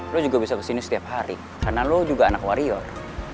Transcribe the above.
lo juga bisa kesini setiap hari karena lo juga anak warrior